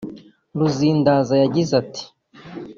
Ruzindaza yagize ati